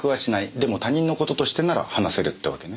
でも他人の事としてなら話せるってわけね。